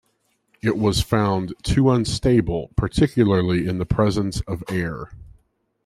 It was found too unstable, particularly in the presence of air.